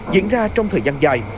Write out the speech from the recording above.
diễn ra trong thời gian dài